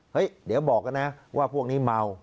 เดี๋ยวบอกกันนะว่าพวกนี้เมา